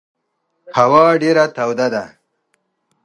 هوا ډېره توده ده.